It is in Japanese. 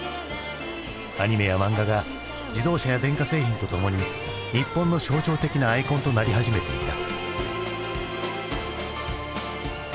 アニメや漫画が自動車や電化製品とともに日本の象徴的なアイコンとなり始めていた。